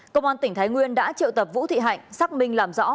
công an tỉnh thái nguyên đã triệu tập vũ thị hạnh xác minh làm rõ